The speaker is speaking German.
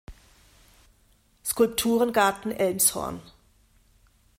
Skulpturengarten Elmshorn